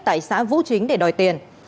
tại xã vũ chính để đòi tiền